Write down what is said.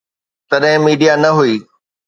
تڏهن ميڊيا نه هئي.